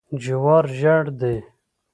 جوار ژیړ دي.